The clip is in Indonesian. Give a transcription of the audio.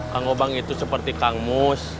kang obang itu seperti kang mus